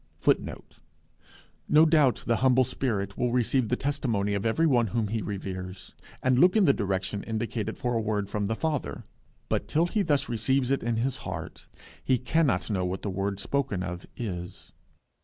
[Footnote: No doubt the humble spirit will receive the testimony of every one whom he reveres, and look in the direction indicated for a word from the Father; but till he thus receives it in his heart, he cannot know what the word spoken of is.